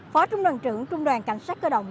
phó trung đoàn trưởng trung đoàn cảnh sát cơ động